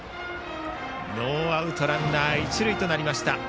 ノーアウトランナー、一塁となりました。